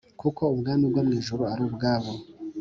Kuko ubwami bwo mu ijuru ari ubwabo